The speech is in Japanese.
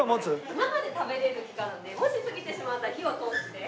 生で食べられる期間でもし過ぎてしまったら火を通して。